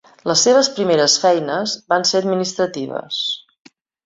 Les seves primeres feines van ser administratives.